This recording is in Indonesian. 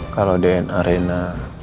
kalau dna reina